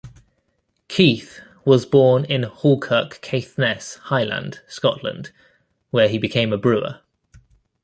Keith was born in Halkirk, Caithness, Highland, Scotland, where he became a brewer.